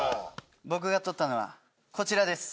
僕が取ったのはこちらです。